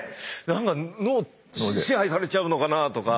何か脳支配されちゃうのかなとか。